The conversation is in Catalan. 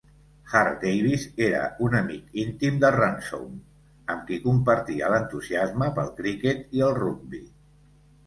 Hart-Davis era un amic íntim de Ransome, amb qui compartia l'entusiasme pel criquet i el rugbi.